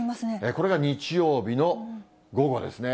これが日曜日の午後ですね。